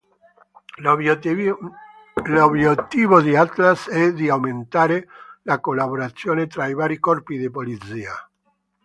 L'obiettivo di Atlas è di aumentare la collaborazione tra i vari corpi di Polizia.